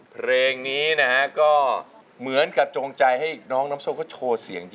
เพลงนี้นะฮะก็เหมือนกับจงใจให้อีกน้องน้ำโซ่ก็โชว์เสียง